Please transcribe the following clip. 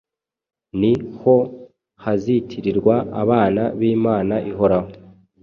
ni ho bazitirirwa abana b’Imana ihoraho.”.